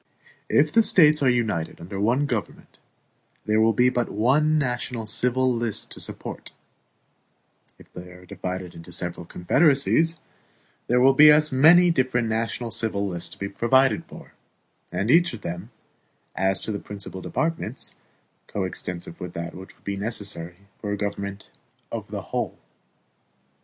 If the States are united under one government, there will be but one national civil list to support; if they are divided into several confederacies, there will be as many different national civil lists to be provided for and each of them, as to the principal departments, coextensive with that which would be necessary for a government of the whole.